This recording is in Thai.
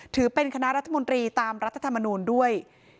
ถือเป็นคณะรัฐมนตรีตามรัฐธรรมนูลด้วย